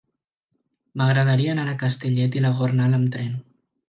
M'agradaria anar a Castellet i la Gornal amb tren.